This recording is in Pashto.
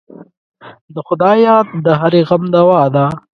د خدای یاد د هرې غم دوا ده.